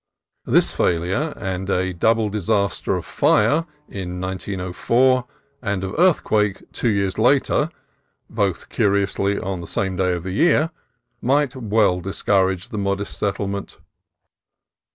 This failure, and a double disaster, of fire in 1904, and of earthquake two years later (both, curiously, on the same day of the year), might well discourage the modest settlement.